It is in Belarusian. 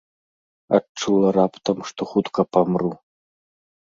Адчула раптам, што хутка памру!